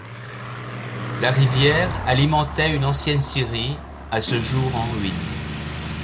La rivière alimentait une ancienne scierie, à ce jour en ruine.